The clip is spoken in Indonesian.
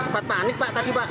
sempat panik pak tadi pak